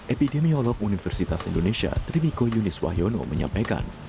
epidemiolog universitas indonesia trimiko yunis wahyono menyampaikan